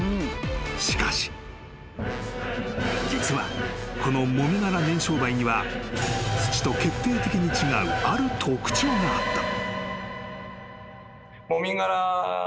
［しかし］［実はこのもみ殻燃焼灰には土と決定的に違うある特徴があった］